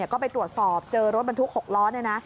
ก็ไปตรวจสอบเจอรถบรรทุกหกร้อน